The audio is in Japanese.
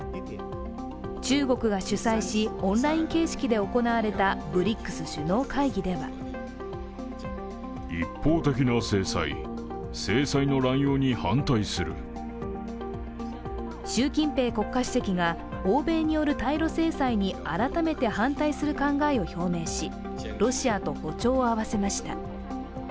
中国が主催し、オンライン形式で行われたＢＲＩＣＳ首脳会議では習近平国家主席が欧米による対ロ制裁に改めて反対する考えを表明し、ロシアと歩調を合わせました。